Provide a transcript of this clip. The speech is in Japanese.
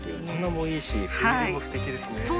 お花もいいし斑入りもすてきですね。